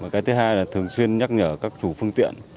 cái thứ hai là thường xuyên nhắc nhở các chủ phương tiện